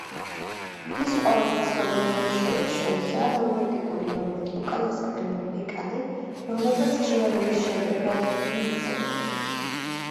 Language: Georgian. მის ყველაზე ცნობილ ნამუშევრებს შორისაა რომანტიკული რომანი „უკანასკნელი მოჰიკანი“, რომელსაც ხშირად მის შედევრად მოიხსენიებენ.